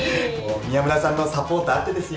宮村さんのサポートあってですよ。